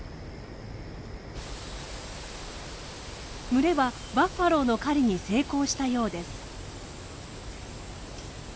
群れはバッファローの狩りに成功したようです。